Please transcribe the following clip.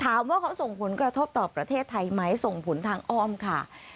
ถามว่าเขาส่งผลกระทบต่อประเทศไทยไหมส่งผลทางอ้อมค่ะ